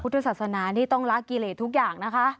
ที่ต้องละกิเลทุกอย่างนะคะ